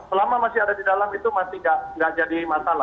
selama masih ada di dalam itu masih tidak jadi